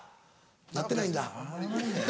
なってないんだ。